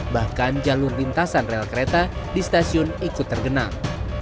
bahkan jalur lintasan rel kereta di stasiun ikut tergenang